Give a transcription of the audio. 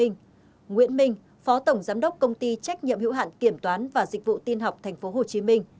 nguyễn minh phó tổng giám đốc công ty trách nhiệm hữu hạn kiểm toán và dịch vụ tin học tp hcm